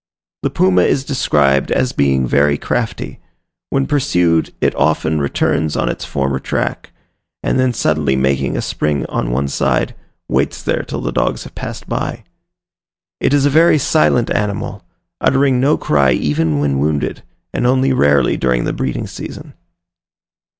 The puma is described as being very crafty: when pursued, it often returns on its former track, and then suddenly making a spring on one side, waits there till the dogs have passed by. It is a very silent animal, uttering no cry even when wounded, and only rarely during the breeding season.